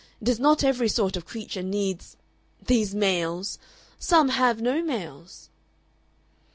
It is not every sort of creature needs these males. Some have no males."